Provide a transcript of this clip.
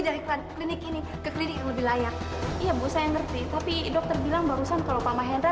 dari klinik ini ke klinik yang lebih layak iya bu saya ngerti tapi dokter bilang barusan kalau pak mahendra